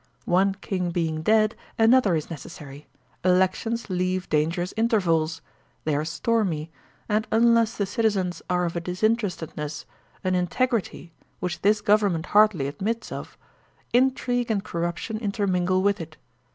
One king being dead, another is necessary; elections leave dangerous intervals; they are stormy; and unless the citizens are of a disinterestedness, an integrity, which this government hardly admits of, intrigue and corrup tion intermingle with it.